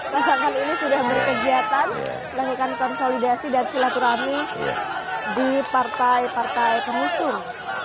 pasangan ini sudah berkegiatan melakukan konsolidasi dan silaturahmi di partai partai pengusung